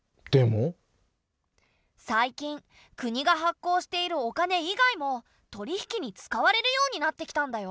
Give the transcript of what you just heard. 最近国が発行しているお金以外も取り引きに使われるようになってきたんだよ。